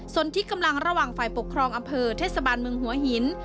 ส่วนที่กำลังระหว่างฝ่ายปกครองอำเภอเทศบาลเมืองหัวหิน